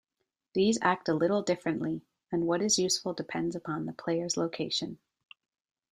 These act a little differently, and what is useful depends upon the player's location.